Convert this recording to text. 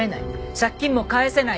借金も返せない。